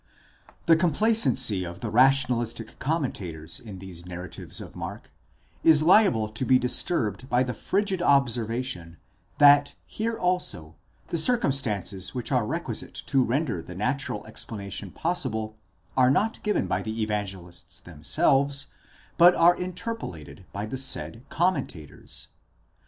447 The complacency of the rationalistic commentators in these narratives of Mark, is liable to be disturbed by the frigid observation, that, here also, the circumstances which are requisite to render the natural explanation possible are not given by the Evangelists themselves, but are interpolated by the said commentators.